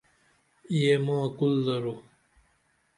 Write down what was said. یہ ما کُل درو